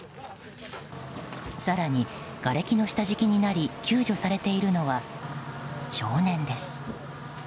更に、がれきの下敷きになり救助されているのは少年です。